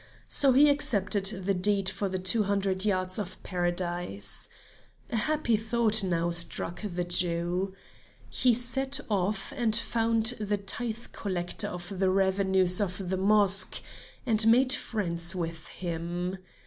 So he accepted the deed for the two hundred yards of Paradise. A happy thought now struck the Jew. He set off and found the tithe collector of the revenues of the mosque, and made friends with him.